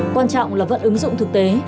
quan trọng là vận ứng dụng thực tế